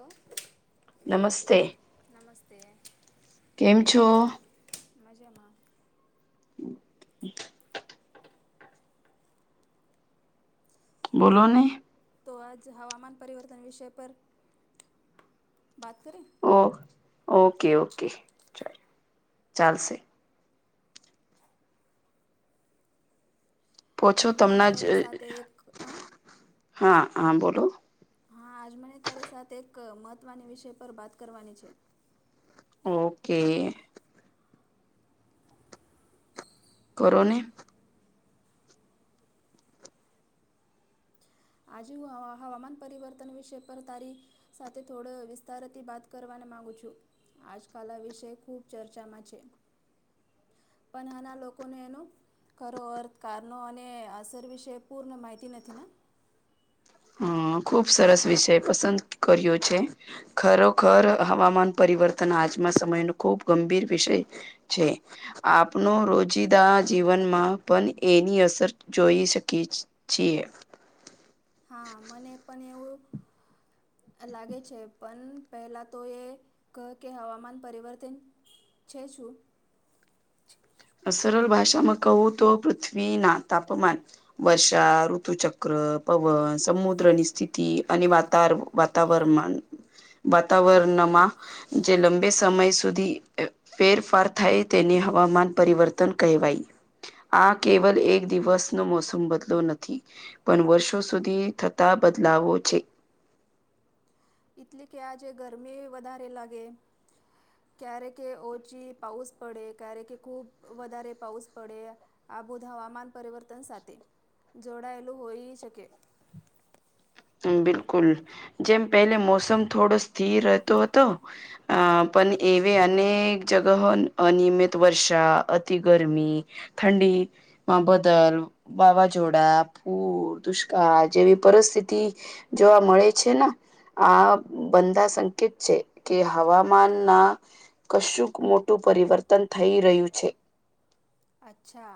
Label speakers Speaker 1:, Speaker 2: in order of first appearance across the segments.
Speaker 1: ઓ
Speaker 2: નમસ્તે.
Speaker 1: નમસ્તે.
Speaker 2: કેમ છો.
Speaker 1: મજમાં [inaudible]
Speaker 2: [inaudible] બોલો નને.
Speaker 1: તો આજ હવામાન પરિવર્તન વિષય પર વાત કરે
Speaker 2: ઓ ઓકે ઓકે ચ ચાલશે. પછો
Speaker 1: આજ મને
Speaker 2: તમને જ
Speaker 1: તારી સાથે એક અ
Speaker 2: હા હા બોલો
Speaker 1: હા આજ મને તારી સાથે એક મહત્ત્વની વિષય પર વાત કરવાની છે.
Speaker 2: ઓકે. કરરો ને.
Speaker 1: આજે હવામાન પરિવર્તન વિશે પડતારી સાથે થોડો વિસ્તારથી બાત કરવાની માગુ છું આજકાલ આ વિષય ખૂબ ચર્ચામાં છે. પણ આના લોકોને એનો ખરો અર્થ કારનોો અને અસર વિશે પૂર્ણ માહિતી નથી.
Speaker 2: હ ખુબ સરસ વિષય પસંદ કર્યો છે, ખરોખર હવામાન પર પરિવર્તન આજમાં સમય ન ખુબ ગંભીર વિષય છે. આપનો રોજિદાજ જીવનમાં પણ એની અસર જોઈ શકી છીએ.
Speaker 1: હા મને પણ એવું લાગે છે પણ પહેલા તો એ કહ કે હવામાન પરિવર્તન છે શું
Speaker 2: સરલ ભાષામાં કવું તો પૃથ્વી ના તાપમાન વર્ષા ઋતુ ચક્ર પવન સમુદ્રની સ્થિતિ અને વાતા વાતાવરણમાં વાતાવરણમાં જે લંબે સમય સુધી ફેરફાર થાય તેની હવામાન પરિવર્તન કહેવાય આ કેવલ એક દિવસ નો મોસમ બદલો નથી પણ વર્ષો સુધી થતા આ બદલાવો છે
Speaker 1: એટલે કે આજે ગરમી વધારે લાગે ક્યારે કે ઓછી પાઉસ પડે ક્યારે કે ખુબ વધારે પાઉસ પડે આબુદ હવામાન પરિવર્તન સાથે જોડાયેલું હોઈ શકે
Speaker 2: બિલકુલ જેમ પેલે મોસમ થોડો સ્થિર રહેતો હતો અ અને એવી અનેક જગહ અનિયમિત વર્ષા અતિ ગરમી ઠંડી માં બદલ વાવાઝોડા પૂર દુષ્કાળ જેવી પરિસ્થિતિ થી જોવા મળે છે ને આ બંધા સંકેત છે કે હવામાન ના કશુંક મોટું પરિવર્તન થઈ રહ્યું છે
Speaker 1: અચ્છા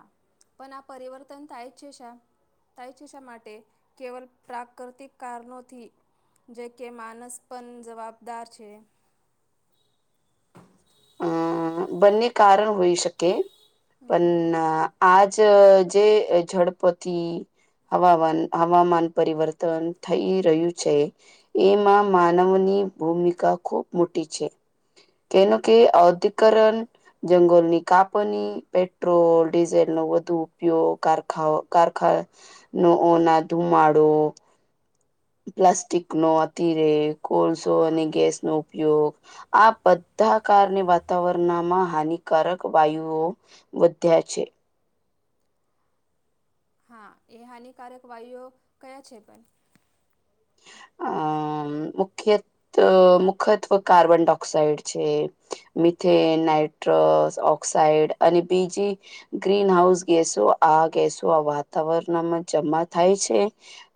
Speaker 1: પણ આ પરિવર્તન થાય જ છે શા થાય છે શા માટે કેવલ પ્રાકૃતિક કારણોથી જે કે માનસ પણ જવાબદાર છે
Speaker 2: અમ બંને કારણ હોઈ શકે પણ આજ જે ઝડપતિ હવામાન હવામાન પરિવર્તન થઈ રહ્યું છે એમાં માનવની ની ભૂમિકા ખૂબ મોટી છે કેમ કે અધિકરણ જંગલની કાપની પેટ્રોલ ડીઝલ નો વધુ ઉપ ઉપયોગ કરખા કારખા કારખા નો ના ધુમાડો પ્લાસ્ટિક નો અતિરે કોલસો
Speaker 1: હા.
Speaker 2: અને ગેસ નો ઉપયોગ આ બધા કારણે વાતાવરણમાં હાનિકારક વાયુઓ વધ્યા છે
Speaker 1: હા એ હાનિકારક વાયુઓ કયા છે પણ
Speaker 2: અમ મુખ્ય મુખત્વ કાર્બન ડાયોક્સાઇડ છે મિથેન નાઇટ્રો ઓક્સાઇડ અને બીજી ગ્રીન હાઉસ ગેસો આ ગેસો આ વાતાવરણ વાતાવરણમાં જમા થાય છે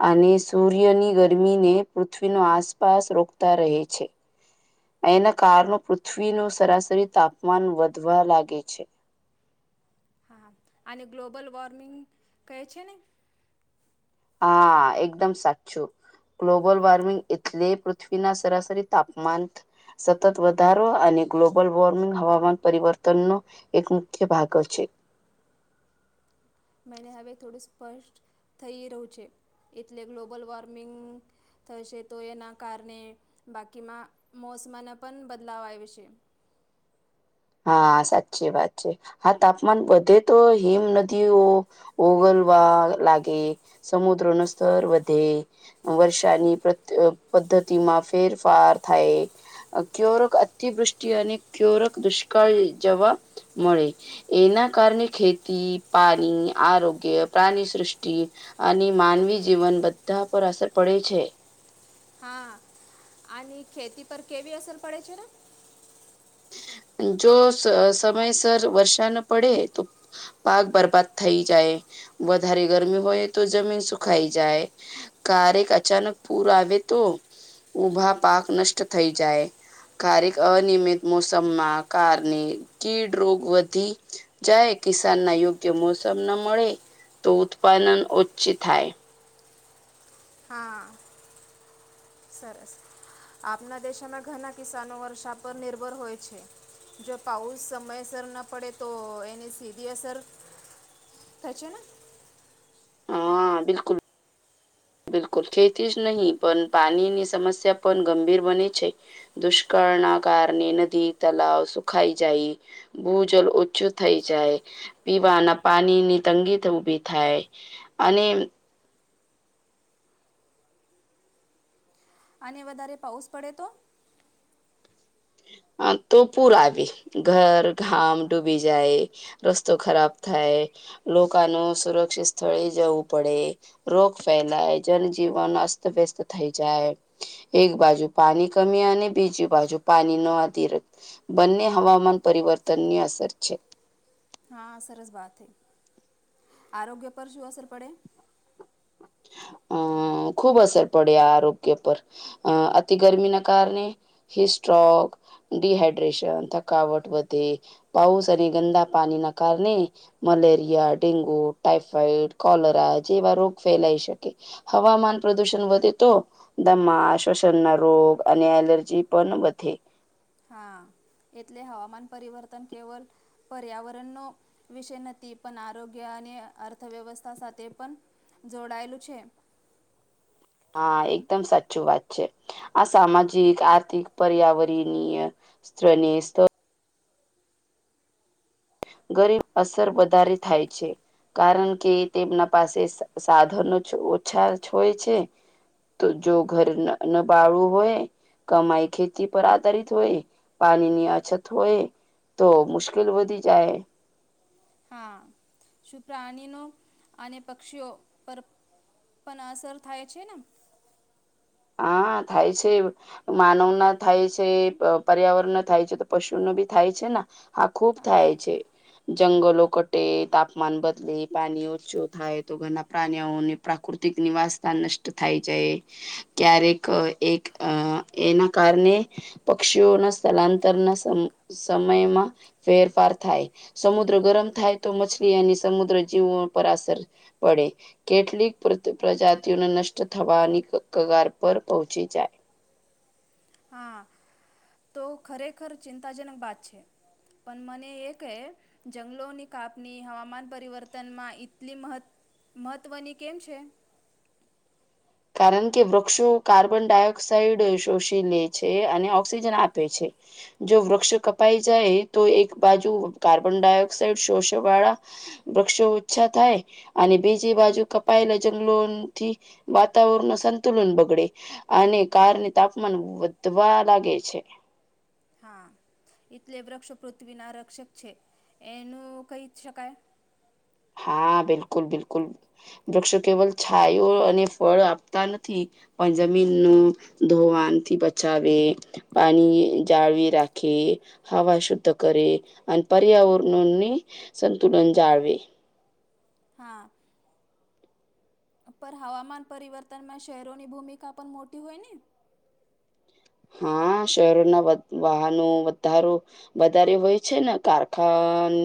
Speaker 2: અને સૂર્યની ગરમી ગરમીને પૃથ્વીનો આસપાસ રોકતા રહે છે એના કારણે પૃથ્વીનું સરાસરી તાપમાન વધવા લાગે છે
Speaker 1: હા આને ગ્લોબલ વોર્મિંગ કહે છે ને
Speaker 2: હા એકદમ સાચું ગ્લોબલ વોર્મિંગ એટલે પૃથ્વીના સરાસરી તાપમાન સતત વધારો અને ગ્લોબલ વોર્મિંગ હવામાન પરિવર્તનનો એક મુખ્ય ભાગ છે
Speaker 1: મને હવે થોડું સ્પષ્ટ થઈ રહ્યું છે એટલે ગ્લોબલ વોર્મિંગ થશે તો એના કારણે બાકીમાં મોસમાના પણ બદલાવ આવે છે
Speaker 2: હા સાચી વાત છે હા તાપમાન વધે તો હિમ નદીઓ ઓગલવા આ લાગે સમુદ્ર નો સ્તર વધે વર્ષાની પ પદ્ધતિ પદ્ધતિ માં ફેરફાર થાય ક્યોરક અતિવૃષ્ટિ અને કયોરક દુષ કળ જોવા મળે એના કારણે ખેતી પાની આરોગ્ય પાની સૃષ્ટિ અને માનવી જીવન બધા પર અસર પડે છે
Speaker 1: હા અને ખેતી પર કેવી અસર પડે છે ને
Speaker 2: જો સમયસર વર્ષા ન પડે તો પાક બરબાદ થઈ જાય વધારે ગરમી હોય તો જમીન સુખાઈ જાય કારેક અચાનક પૂર આવે તો ઉભા પાક નષ્ટ થઈ જાય કારક અનિયમિત મોસમમાં કારણે કીડ રોગ વધી જાય કિસાનના યોગ્ય મો ના મળે તો ઉત્પાદન ઓછી થાય
Speaker 1: હા, સરસ. આપના દેશામાં ઘણા કિસાનો વર્ષા પર નિર્ભર હોય છે. જો પાઉસ સમયસર ના પડે તો એની સીધી અસર થાય છે ને?
Speaker 2: હા બિલકુલ. બિલકુલ. ખેતી જ નહીં પણ પાણીની સમસ્યા પણ ગંભીર બને છે. દુષ્કાળ વર્ણ ના કારણે નદી તલાવ સુખાઈ જાય ભૂજલ ઓછું થઈ જાય. પીવાના પાણી ની તંગી ઊભી થાય અને
Speaker 1: અને વધારે પાઉસ પડે તો
Speaker 2: અહ હ તો પૂર આવે ઘર ગામ
Speaker 1: હા
Speaker 2: ડૂબી જાય રસ્તો ખરાબ થાય. લોકાનું સુરક્ષિત સ્થળે જવું પડે રોગ ફેલાય જનજીવન માસ ટનવ્યસ્ત થઈ જાય એક બાજુ પાણી કમી અને બીજી બાજુ પાણી નો આધર બંને હવામાન પરિવર્તનની અસર છે.
Speaker 1: હા, સરસ બાત હૈ. આરોગ્ય પર શું અસર પડે?
Speaker 2: અહ અહ ખૂબ અસર પડે આ આરોગ્ય પર અહ અતિ ગરમીના કારણે હિસ્ટ્રોક ડીહાઈડ્રેશન થકાવટ વધે પાઉસ અને ગંદા પાણી ના કારણે મલેરિયા, ડેન્ગુ, ટાઈફઈડ, કોલરા જેવા રોગ ફેલાઈ શકે હવામાન પ્રદુષણ વધે તો દમા શ્વસનના રોગ અને એલર્જી પણ વધે.
Speaker 1: હા. એટલે હવામાન પરિવર્તન કેવલ પર્યાવરણનો વિષય નથી પણ આરોગ્ય ને અર્થવ્યવસ્થા સાથે પણ જોડાયેલું છે.
Speaker 2: હા, એકદમ સાચું વાત છે. આ સામાજિક, આર્થિક, પર્યાવરણીય સ્તત્રની સ્થ ગરીબ અસર વધારે થાય છે. કારણ કે તેમના પાસે સ સાધનો ઓ ઓછાછ હોય છે. તો જો ઘર ન નબાળું હોય કમાઈ ખેતી પર આધારિત હોય, પાણીની અછત હોય તો મુશ્કેલ વધી જાય.
Speaker 1: હા. શું પ્રાણીનો અને પક્ષીઓ પર પન અસર થાય છે ના?
Speaker 2: હા થાય છે. માનવના થાય છે, પર્યાવરણના થાય છે તો પશુન બી થાય છે ના, આ ખુબ
Speaker 1: હા
Speaker 2: થાય છે. જંગલો કટે, તાપમાન બદલે, પાણી ઓછો થાય, તો ઘના પ્રાણીઓને પ્રાકૃતિક ક નિવાસસ્થાન નષ્ટ થાય જાય. ક્યારેક એક અહ એના કારણે પક્ષીઓના સ્થળાંતરના સમ સમયમાં ફેરફાર થાય. સમુદ્ર ગરમ થાય તો મછલી એની સમુદ્ર જીવ વો પર અસર પડે. કેટલીક પ્ર પ્રજાતિઓને નષ્ટ થવાની કગાર પર પહોંચી જાય.
Speaker 1: હા તો ખરેખર ચિંતાજનક વાત છે. પણ મને એ કહે જંગલોની કાપની હવામાન પરિવર્તનમાં એટલી મહત્ મહત્વની કેમ છે?
Speaker 2: કારણ કે વૃક્ષો કાર્બન ડાયોક્સાાઈડ શોષી લે છે, અને ઓક્સિજન આપે છે. જો વૃક્ષ કપાઈ જાય તો એક બાજુ કાર્બન ડાયોક્સાઇડ શોષ વાળા વૃક્ષો ઓછા થાય, અને બીજી બાજુ કપાયેલા જંગલોથી વાતાવરણ નો સંતુલન બગડે, અને કારને તાપમાન વધવા લાગે છે.
Speaker 1: હા. એટલે વૃક્ષ પૃથ્વી ના રક્ષક છે એનું કહી શકાય.
Speaker 2: હા બિલકુલ-બિલકુલ. વૃક્ષો કેવલ છાયો અને ફળ આપતા નથી પણ જમીન નું ધોવાનથી બચાવે, પાની જાળવી રાખે હવા શુદ્ધ કરે, અને પર્યાવરણોને સંતુલન જાળવે.
Speaker 1: હા. પર હવામાન પરિવર્તનમાં શહેરોની ભૂમિકા પણ મોટી હોય ને?
Speaker 2: હા શહેરોના વાહનો વધારો વધારે હોય છે ને કારખા અન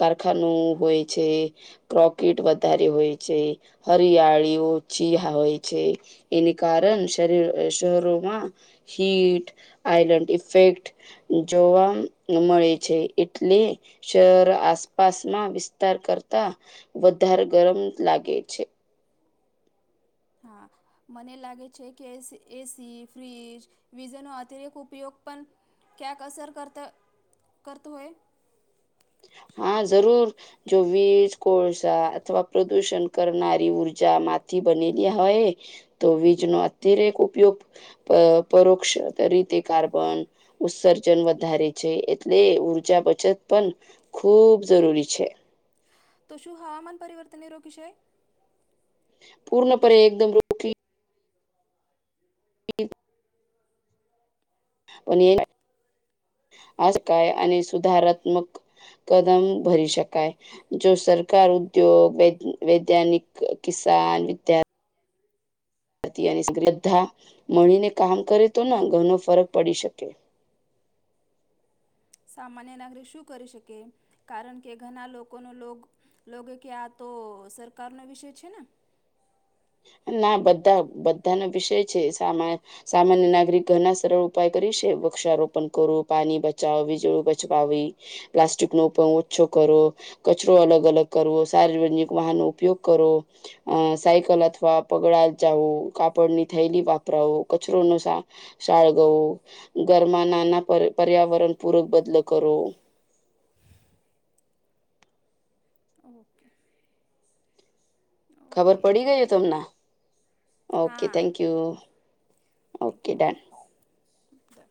Speaker 2: કારખાનું હોય છે, પ્રોફિટ વધારે હોય છે શિયાળીઓ ચીહા હોય છે એને કારણ શરીર શહેરોમાં હીટ, આઈલેન્ડ ઇફેક્ટ, જોવા મ મળે છે એટલે શહર આસપાસમાં વિસ્તાર કરતા વધારે ગરમ લાગે છે.
Speaker 1: હા. મને લાગે છે કે એસ એ સી, ફ્રીજ વીજનો અતિરેક ઉપયોગ પન ક્યાંક અસર કરત કરતું હોય
Speaker 2: હા જરૂર. જો વીજ, કોલસા અથવા પ્રદૂષણ કરનારી ઉર્જા મામાંથી બનેલી હોય, તો વીજ નો અતિરેક એક ઉપયોગ પરોક્ષ રીતે કાર્બન ઉત્સર્જન વધારે છે એટલે ઉર્જા બચત પણ ખૂબ જરૂરી છે.
Speaker 1: તો શું હવામાન પરિવર્તનને રોકી છે.
Speaker 2: પૂર્ણપે એકદમ રોકી [unintelligible] અનેના
Speaker 1: [inaudible]
Speaker 2: આજકાય, અને સુધારાત્મક કદમ ભરી શકાય જો સરકાર ઉદ્યોગ, વૈ વૈજ્ઞાનિક કિસાન વિદ્ય શ્રદ્ધા મળીને કામ કરે તો ન ઘરનો ફરક પડી શક
Speaker 1: [inaudible] સામાન્ય નાગરિક શું કરી શકે કારણ, કે ઘણા લોકો લોગ કે આ તો તો સરકારનો વિષય છે
Speaker 2: ના બધા બધાનો વિષય છે, સા સામાન્ય નાગરિક ઘણા સરળ ઉપાય કરી છે વૃક્ષારોપણ કરો, પાણી બચાવો, વીજળી બચવાવી, પ્લાસ્ટિક નો પણ ઓછો કરો કચરો અલગ-અલગ કરવો, સાર્જનિક વાહનનો ઉપયોગ કરવો, અહ સાયકલ અથ થવા પગળા જાઉં, કાપડની થેલી વપરાવો, કચરો ન સા સાળગવો ઘરમાં નાના પર પર્યાવરણ પૂરક બદલો કરો.
Speaker 1: [inaudible] ઓકે.
Speaker 2: ખબર
Speaker 1: ઓકે
Speaker 2: પડી ગઈ
Speaker 1: થેન્ક
Speaker 2: ને
Speaker 1: યુ
Speaker 2: તમને? ઓકે
Speaker 1: હા
Speaker 2: thank you,
Speaker 1: thank
Speaker 2: okay done.
Speaker 1: You